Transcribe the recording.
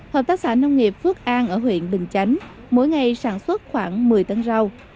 hợp tác xã nông nghiệp phước an ở huyện bình chánh mỗi ngày sản xuất khoảng một mươi tấn rau